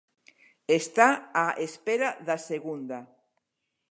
Está á espera da segunda.